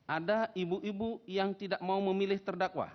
ada ibu ibu yang tidak mau memilih terdakwa